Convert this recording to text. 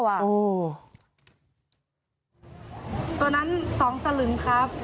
ตัวนั้น๒สลึงครับ